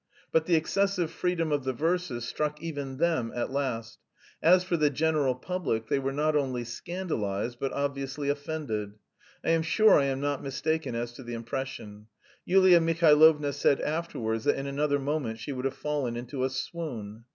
But the excessive freedom of the verses struck even them at last; as for the general public they were not only scandalised but obviously offended. I am sure I am not mistaken as to the impression. Yulia Mihailovna said afterwards that in another moment she would have fallen into a swoon.